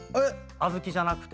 小豆じゃなくて。